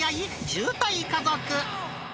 渋滞家族。